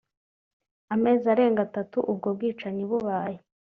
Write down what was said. amezi arenga atatu ubwo bwicanyi bubaye